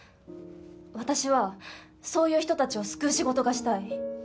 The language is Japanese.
私はそういう人たちを救う仕事がしたい。